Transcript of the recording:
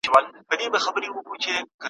کوډي جادو او منترونه لیکي `